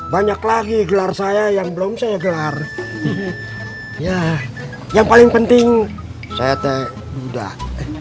banyak lagi gelar saya yang belum saya gelar ya yang paling penting saya teh udah